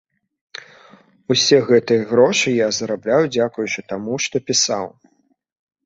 Усе гэтыя грошы я зарабляў дзякуючы таму, што пісаў.